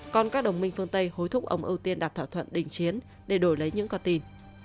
còn các đồng minh phương tây hối thúc ông ưu tiên đặt thỏa thuận đình chiến để đổi lấy những con tin